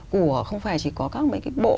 của không phải chỉ có các mấy cái bộ